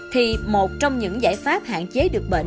thì một trong những giải pháp hạn chế được bệnh